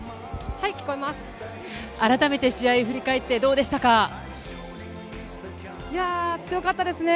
改めて試合振り返ってどうでいやー、強かったですね。